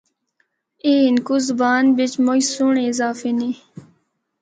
اے ہندکو زبان بچ مُچ سہنڑے اضافے نے۔